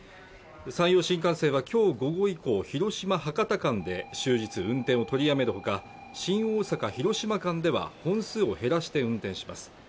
山陽新幹線はきょう午後以降広島博多間で終日運転を取りやめるほか新大阪広島間では本数を減らして運転します